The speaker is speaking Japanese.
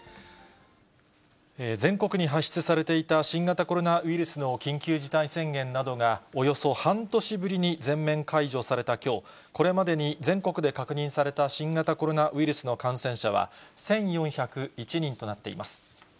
全国に発出されていた新型コロナウイルスの緊急事態宣言などが、およそ半年ぶりに全面解除されたきょう、これまでに全国で確認された新型コロナウイルスの感染者は、１４０１人となっています。